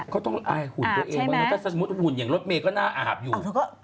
ก็ต้องอายหุ่นตัวเองบ้างนะถ้าสมมุติหุ่นอย่างรถเมย์ก็น่าอาบอยู่